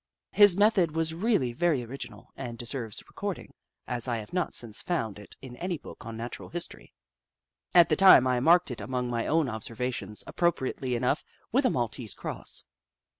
His method was really very original and deserves record ing, as I have not since found it in any book on Natural History. At the time, I marked it among my own observations, appropriately enough, with a maltese cross.